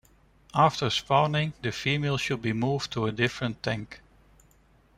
After spawning the female should be moved to a different tank.